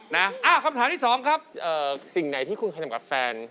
นะคำถามที่สองครับสิ่งใดที่คุณให้จำกัดแฟน